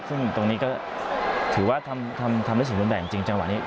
ซึ่งตรงนี้ก็ถือว่าทำได้สมบูรณ์แบบจริงจังหวะนี้